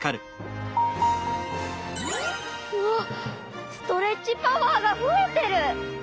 うわっストレッチパワーがふえてる！